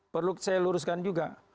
perlu saya luruskan juga